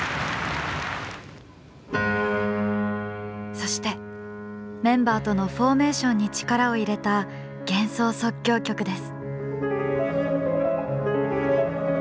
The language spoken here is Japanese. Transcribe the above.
そしてメンバーとのフォーメーションに力を入れた「幻想即興曲」です。